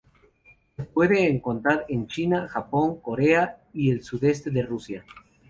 Se puede encontrar en China, Japón, Corea y el sudeste de Rusia.